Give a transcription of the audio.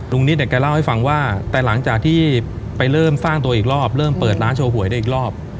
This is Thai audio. นิดเนี่ยแกเล่าให้ฟังว่าแต่หลังจากที่ไปเริ่มสร้างตัวอีกรอบเริ่มเปิดร้านโชว์หวยได้อีกรอบ